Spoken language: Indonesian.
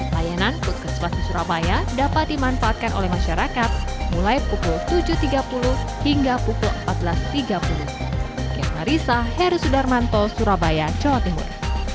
layanan puskesmas di surabaya dapat dimanfaatkan oleh masyarakat mulai pukul tujuh tiga puluh hingga pukul empat belas tiga puluh